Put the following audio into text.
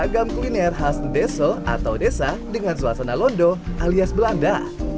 beragam kuliner khas desa atau desa dengan suasana londo alias belanda